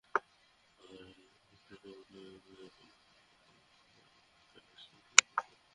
আরব আমিরাতের বিপক্ষে এশিয়া কাপে নিজেদের প্রথম ম্যাচে শ্রীলঙ্কার জয়ের নায়ক ছিলেন মালিঙ্গা।